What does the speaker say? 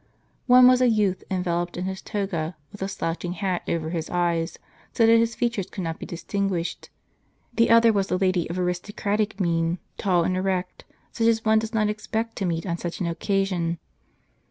One was a youth, enveloped in his toga, with a slouching hat over his eyes, so that his features could not be distinguished. The other was a lady of aristocratic uiien, tall and erect, such as one does not expect to meet on such an occasion.